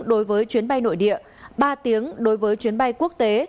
đối với chuyến bay nội địa ba tiếng đối với chuyến bay quốc tế